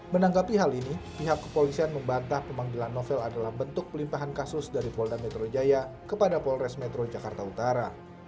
menanggapi hal ini pihak kepolisian membantah pemanggilan novel adalah bentuk pelimpahan kasus dari polda metro jaya kepada polres metro jakarta utara